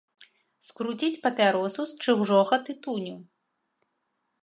Скруціць папяросу з чужога тытуню.